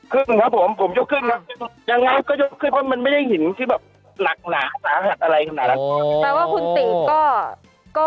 ครับผมผมยกครึ่งครับยังไงก็ยกขึ้นเพราะมันไม่ได้หินที่แบบหนักหนาสาหัสอะไรขนาดนั้นแปลว่าคุณตื่นก็ก็